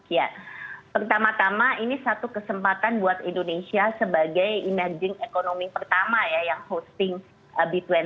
ya pertama tama ini satu kesempatan buat indonesia sebagai emerging economy pertama ya yang hosting b dua puluh